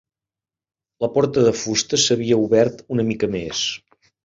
La porta de fusta s'havia obert una mica més.